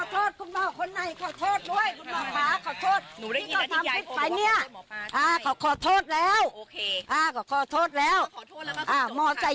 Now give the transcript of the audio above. ตัวคนหมอหย่นก็รักษาไป